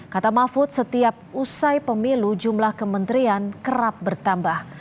kata mahfud setiap usai pemilu jumlah kementerian kerap bertambah